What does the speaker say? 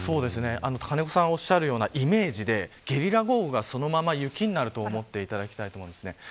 金子さんがおっしゃるようなイメージで、ゲリラ豪雨がそのまま雪になると思っていただきたいです。